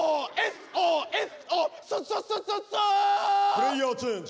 プレイヤーチェンジ。